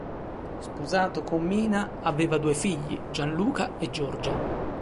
Sposato con Mina aveva due figli Gianluca e Giorgia.